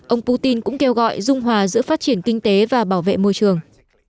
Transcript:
ông putin cũng kêu gọi dung hòa giữa phát triển kinh tế và bảo vệ môi trường